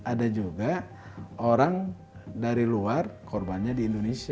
ada juga orang dari luar korbannya di indonesia